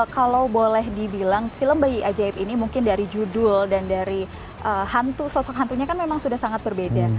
kalau boleh dibilang film bayi ajaib ini mungkin dari judul dan dari hantu sosok hantunya kan memang sudah sangat berbeda